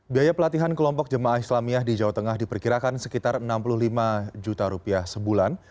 biaya pelatihan kelompok jemaah islamiyah di jawa tengah diperkirakan sekitar enam puluh lima juta rupiah sebulan